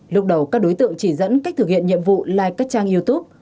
lúc đầu các đối tượng chỉ dẫn cách thực hiện nhiệm vụ like các trang youtube